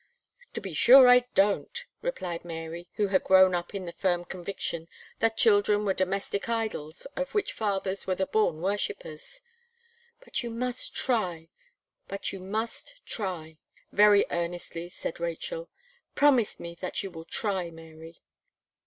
"To be sure I don't," replied Mary, who had grown up in the firm conviction that children were domestic idols, of which fathers were the born worshippers. "But you must try but you must try," very earnestly said Rachel. "Promise me that you will try, Mary."